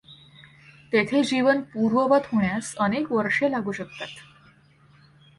तेथे जीवन पूर्ववत होण्यास, अनेक वर्षे लागू शकतात.